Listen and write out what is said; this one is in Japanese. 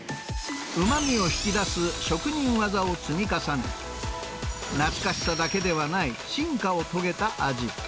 うまみを引き出す職人技を積み重ね、懐かしさだけではない進化を遂げた味。